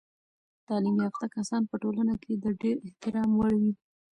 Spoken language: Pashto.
تعلیم یافته کسان په ټولنه کې د ډیر احترام وړ وي.